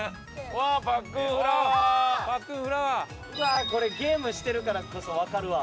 うわっこれゲームしてるからこそわかるわ。